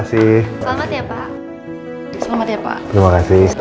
selamat ya pak